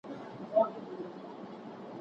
رښتینی تعامل د پرمختګ کیلي ده.